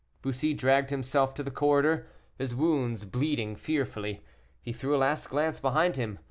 Bussy dragged himself to the corridor, his wounds bleeding fearfully. He threw a last glance behind him.